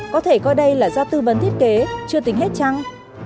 có thể coi đây là do tư vấn thiết kế chưa tính hết trăng